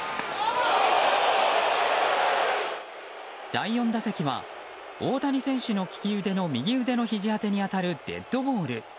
第４打席は、大谷選手の利き腕の右腕のひじ当てに当たるデッドボール。